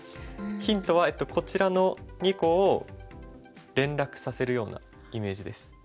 ヒントはこちらの２個を連絡させるようなイメージです。